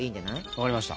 わかりました。